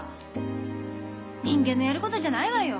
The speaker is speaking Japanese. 人間のやることじゃないわよ。